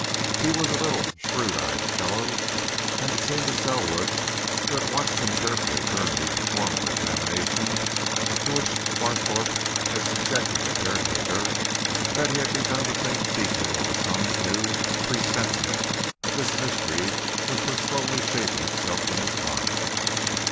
He was a little, shrewd eyed fellow, and it seemed to Selwood, who had watched him carefully during the informal examination to which Barthorpe had subjected the caretaker, that he had begun to think deeply over some new presentiment of this mystery which was slowly shaping itself in his mind.